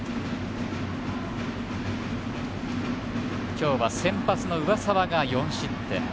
今日は先発の上沢が４失点。